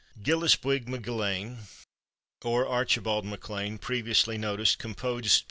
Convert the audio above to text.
Ghilleasbuig MacGilleain, or Archibald MacLean, previously noticed, composed (p.